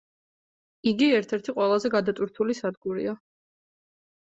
იგი ერთ-ერთი ყველაზე გადატვირთული სადგურია.